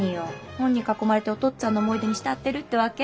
本に囲まれてお父っつぁんの思い出に浸ってるってわけ？